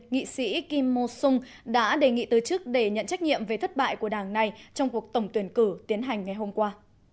nghị sĩ kim mosung đã đề nghị tới chức để nhận trách nhiệm về thất bại của đảng này trong cuộc tổng tuyển cử tiến hành ngày hôm qua